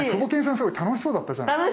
すごい楽しそうだったじゃないですか。